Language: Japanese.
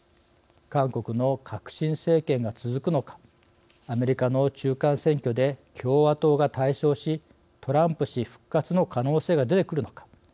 韓国の革新政権が続くのかアメリカの中間選挙で共和党が大勝しトランプ氏復活の可能性が出てくるのか。